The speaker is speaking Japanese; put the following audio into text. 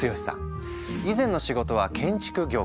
以前の仕事は建築業界。